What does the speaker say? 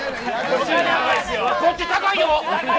こっち高いよ。